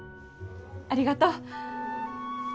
ありがとう。